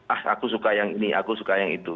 ah aku suka yang ini aku suka yang itu